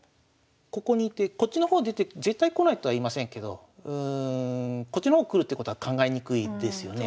ここに居てこっちの方出て絶対来ないとは言いませんけどこっちの方来るってことは考えにくいですよね。